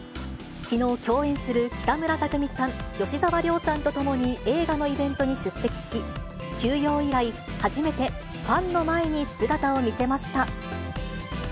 きのう、共演する北村匠海さん、吉沢亮さんと共に映画のイベントに出席し、休養以来、初めてファンの前に姿を見せました。